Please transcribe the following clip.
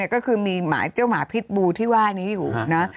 ก็คือมีหมาเจ้าหมาพิษบูที่ว่านี้อยู่นะ